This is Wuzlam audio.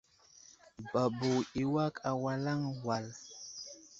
Babo i awak awalaŋ wal.